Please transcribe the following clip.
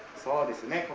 そうですね。